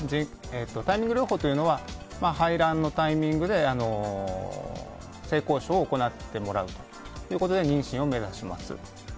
タイミング療法は排卵のタイミングで性交渉を行ってもらうということで妊娠を目指します。